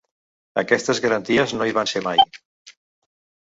Aquestes garanties no hi van ser mai.